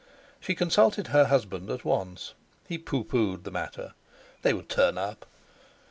She consulted her husband at once. He "pooh poohed" the matter. They would turn up!